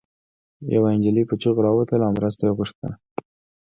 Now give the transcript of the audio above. يوه انجلۍ په چيغو راووتله او مرسته يې غوښته